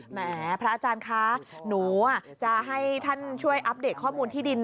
แหมพระอาจารย์คะหนูจะให้ท่านช่วยอัปเดตข้อมูลที่ดิน